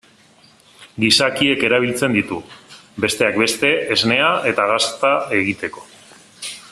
Gizakiek erabiltzen ditu, besteak beste, esnea eta gazta egiteko.